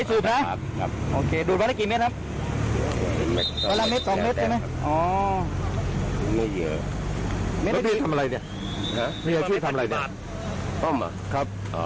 อ๋อเจาะประดาน